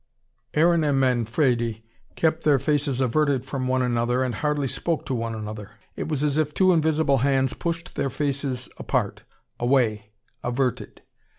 Aaron and Manfredi kept their faces averted from one another and hardly spoke to one another. It was as if two invisible hands pushed their faces apart, away, averted.